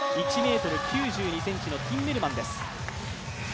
１ｍ９２ｃｍのティンメルマンです。